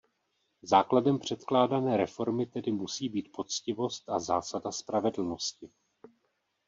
Základem předkládané reformy tedy musí být poctivost a zásada spravedlnosti.